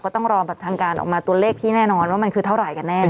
ต้องรอแบบทางการออกมาตัวเลขที่แน่นอนว่ามันคือเท่าไหร่กันแน่